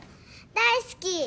大好き！